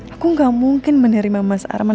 aku gak mungkin menerima mas arman